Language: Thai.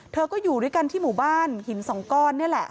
เธอก็อยู่ด้วยกันที่หมู่บ้านหินสองก้อนนี่แหละ